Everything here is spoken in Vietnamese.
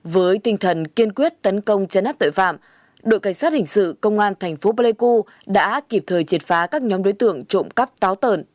với tinh thần kiên quyết tấn công chấn áp tội phạm đội cảnh sát hình sự công an thành phố pleiku đã kịp thời triệt phá các nhóm đối tượng trộm cắp táo tợn